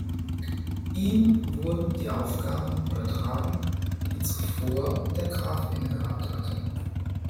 Ihm wurden die Aufgaben übertragen, die zuvor der Graf innegehabt hatte.